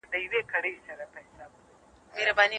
ټولنیز جوړښتونه په دې علم کې څېړل کېږي.